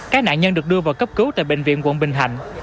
các nạn nhân được đưa vào cấp cứu tại bệnh viện quận bình thạnh